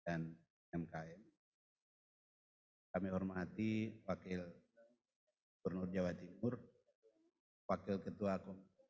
dan yang kami hormati wakil gubernur jawa timur wakil ketua komisi tiga dpr ri